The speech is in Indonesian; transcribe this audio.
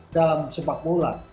dalam sepak bola